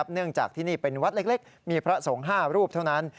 เนื่องจากที่นี่เป็นวัดเล็กมีพระสงฆ์๕รูปเท่านั้น